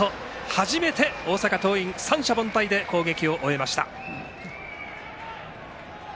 初めて大阪桐蔭、三者凡退で攻撃を終えました。